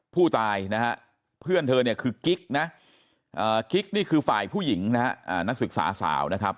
ผู้ตายนะฮะเพื่อนเธอเนี่ยคือกิ๊กนะกิ๊กนี่คือฝ่ายผู้หญิงนะฮะนักศึกษาสาวนะครับ